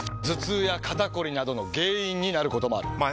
頭痛や肩こりなどの原因になることもある。